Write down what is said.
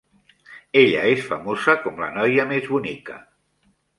Ella és famosa com la noia més bonica.